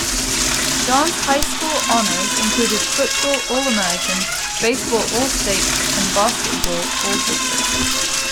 Don's high school honors included football All-American, baseball All-State and basketball All-District.